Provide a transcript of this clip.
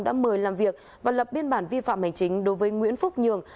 đã mời làm việc và lập biên bản vi phạm hành chính đối với nguyễn phúc nhường